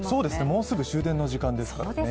もうすぐ終電の時間ですからね。